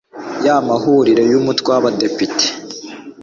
y amahuriro y umutwe w abadepite